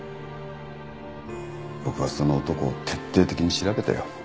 僕はその男を徹底的に調べたよ。